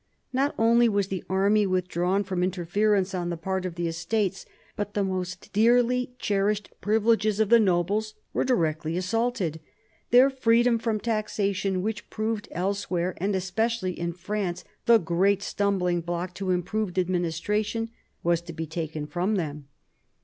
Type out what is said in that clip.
Not only was the army withdrawn from interference on the part of the Estates, but the most dearly cherished privileges of the nobles were directly assaulted. Their freedom from taxation, which proved elsewhere, and especially in France, the great stumbling block to improved ad ministration, was to be taken from them.